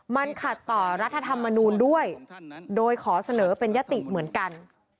มันขัดต่อรัฐธรรมนูลด้วยโดยขอเสนอเป็นยติเหมือนกัน